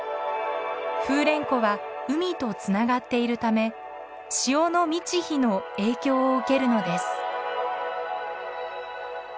風蓮湖は海とつながっているため潮の満ち干の影響を受けるのです。